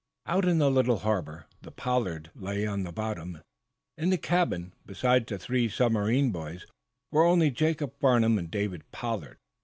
Out in the little harbor the "Pollard" lay on the bottom. In the cabin, besides the three submarine boys, were only Jacob Farnum and David Pollard.